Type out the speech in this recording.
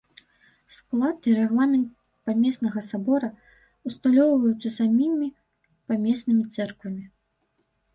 Склад і рэгламент памеснага сабора ўсталёўваюцца самімі памеснымі цэрквамі.